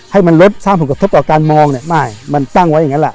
ให้มันลดสร้างผลกระทบต่อการมองเนี่ยไม่มันตั้งไว้อย่างนั้นแหละ